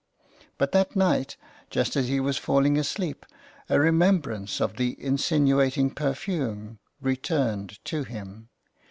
But that night, just as he was falling asleep, a remembrance of the insinuating perfume returned to him.